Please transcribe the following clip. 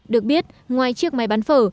được biết ngoài chiếc máy bán phở